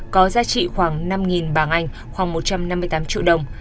có giá trị khoảng năm bảng anh khoảng một trăm năm mươi tám triệu đồng